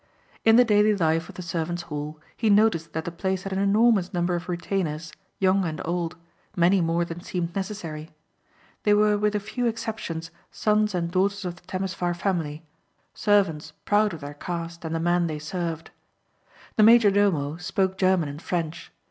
In the daily life of the servants' hall he noticed that the place had an enormous number of retainers, young and old, many more than seemed necessary. They were with a few exceptions sons and daughters of the Temesvar family, servants proud of their caste and the man they served. The major domo spoke German and French.